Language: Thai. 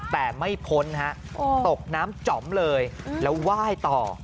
แต่ไม่พ้นฮะตกน้ำจ๋อมเลยแล้วไหว้ต่อ